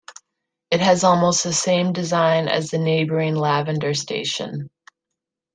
It has almost the same design as the neighbouring Lavender station.